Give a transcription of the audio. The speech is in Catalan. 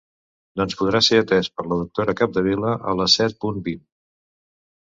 Doncs podrà ser atès per la doctora Capdevila a les set punt vint.